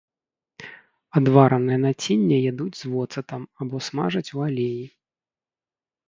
Адваранае націнне ядуць з воцатам, або смажаць у алеі.